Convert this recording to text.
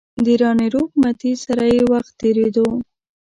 د راني روپ متي سره یې وخت تېرېدو.